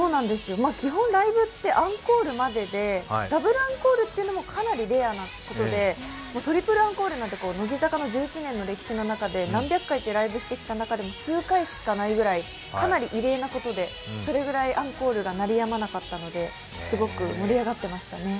基本ライブってアンコールまででダブルアンコールというのもかなりレアなことで、トリプルアンコールなんて乃木坂の１１年の歴史の中で何百回ってしてきた中でも数回しかないくらい、かなり異例なことでそれぐらいアンコールが鳴りやまなかったので、すごく盛り上がってましたね。